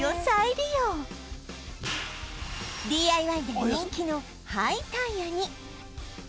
このＤＩＹ で人気の廃タイヤに